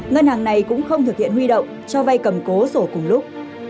ngân hàng này cũng không thực hiện huy động cho vay cầm cố sổ cùng lúc